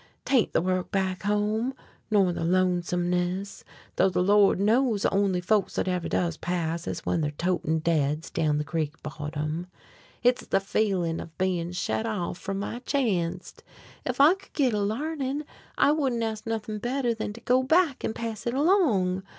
'Tain't the work back home, nor the lonesomeness, tho' the Lord knows the only folks thet ever does pass is when they're totin' deads down the creek bottom. Hit's the feelin' of bein' shet off from my chanct. Ef I could git a larnin' I wouldn't ask nothin' better then to go back an' pass it along.